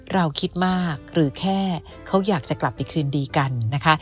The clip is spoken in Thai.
เราคิดมากหรือแค่เขาอยากจะกลับไปคืนดีกันนะคะ